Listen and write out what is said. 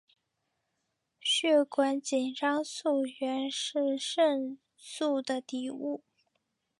血管紧张素原是肾素的底物。